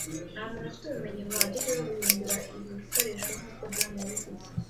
Nta muntu ufite ubumenyi buhagije bwo guhindura ibi bikoresho nkuko John yabigize.